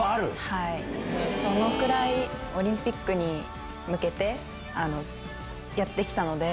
はい、そのくらい、オリンピックに向けてやってきたので。